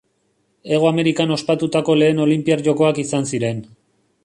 Hego Amerikan ospatutako lehen olinpiar jokoak izan ziren.